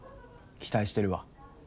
期待してるわ。